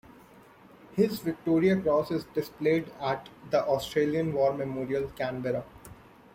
His Victoria Cross is displayed at the Australian War Memorial, Canberra.